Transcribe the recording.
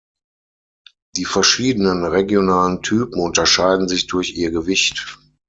Die verschiedenen regionalen Typen unterscheiden sich durch ihr Gewicht.